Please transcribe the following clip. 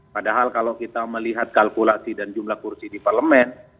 padahal kalau kita melihat kalkulasi dan jumlah kursi di parlemen